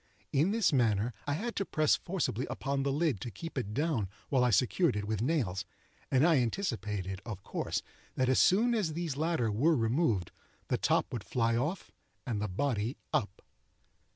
In this manner I had to press forcibly upon the lid to keep it down while I secured it with nails; and I anticipated, of course, that as soon as these latter were removed, the top would fly off and the body up.